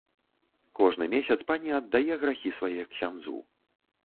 Кожны месяц пані аддае грахі свае ксяндзу.